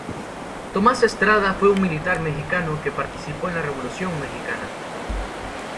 Tomás Estrada fue un militar mexicano que participó en la Revolución mexicana.